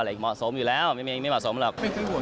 เหมาะสมอยู่แล้วไม่เหมาะสมหรอก